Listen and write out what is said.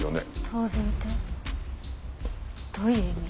当然ってどういう意味？